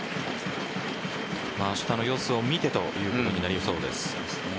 明日の様子を見てということになりそうです。